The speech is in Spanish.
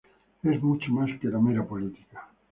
Es mucho más que la mera política.